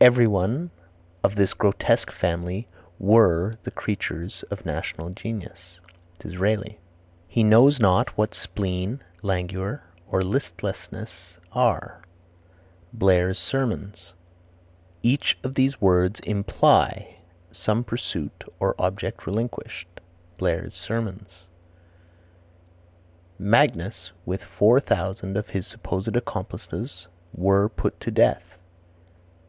"Everyone of this grotesque family were the creatures of national genius." D'Israeli. "He knows not what spleen, languor or listlessness are." Blair's Sermons. "Each of these words imply, some pursuit or object relinquished." Ibid. "Magnus, with four thousand of his supposed accomplices were put to death."